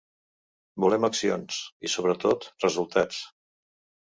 Volem accions i, sobretot, resultats.